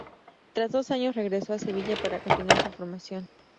Tras dos años regresó a Sevilla para continuar su formación.